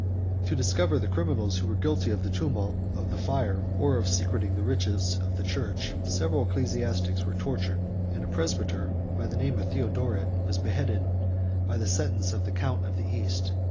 To discover the criminals who were guilty of the tumult, of the fire, or of secreting the riches of the church, several of the ecclesiastics were tortured; 115 and a Presbyter, of the name of Theodoret, was beheaded by the sentence of the Count of the East.